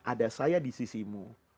ada saya di sisimu